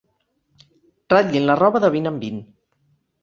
Ratllin la roba de vint en vint.